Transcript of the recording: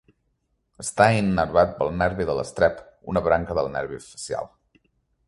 Està innervat pel nervi de l'estrep, una branca del nervi facial.